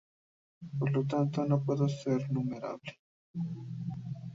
Por lo tanto no puede ser numerable.